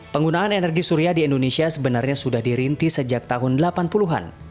penggunaan energi surya di indonesia sebenarnya sudah dirintis sejak tahun delapan puluh an